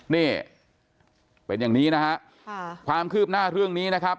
นี่เป็นอย่างนี้นะฮะค่ะความคืบหน้าเรื่องนี้นะครับ